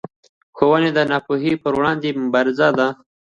ښوونه د ناپوهۍ پر وړاندې مبارزه ده